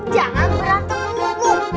jangan berantem dulu